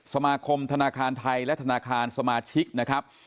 สมาคมธนาคารไทยและธนาคารสมาชิกนะครับ